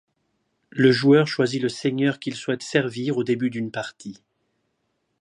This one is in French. Le joueur choisit le seigneur qu’il souhaite servir au début d’une partie.